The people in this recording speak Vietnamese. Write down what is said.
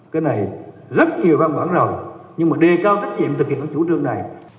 cái này rất nhiều ban bản rồng nhưng mà đề cao trách nhiệm thực hiện ở chủ trương này